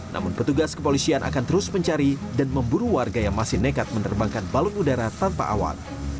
namun petugas kepolisian akan terus mencari dan memburu warga yang masih nekat menerbangkan balon udara tanpa awak